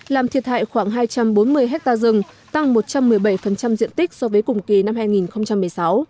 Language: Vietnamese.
làm thiệt hại khoảng hai trăm bốn mươi hectare rừng tăng một trăm một mươi bảy diện tích so với cùng kỳ năm hai nghìn một mươi sáu